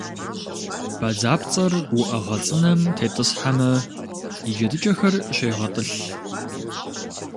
Бадзапцӏэр уӏэгъэ цӏынэм тетӏысхьэмэ, и джэдыкӏэхэр щегъэтӏылъ.